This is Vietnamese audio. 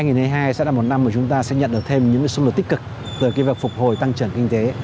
năm hai nghìn hai mươi hai sẽ là một năm mà chúng ta sẽ nhận được thêm những xung đột tích cực về cái việc phục hồi tăng trưởng kinh tế